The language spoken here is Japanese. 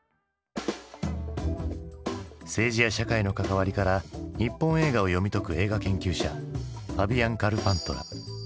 政治や社会の関わりから日本映画を読み解く映画研究者ファビアン・カルパントラ。